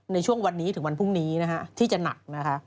ในช่วงวันนี้ถึงวันพรุ่งนี้ที่จะหนัก